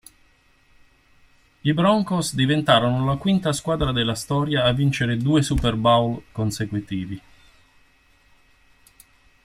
I Broncos diventarono la quinta squadra della storia a vincere due Super Bowl consecutivi.